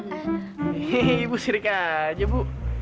hei ibu sirik aja bu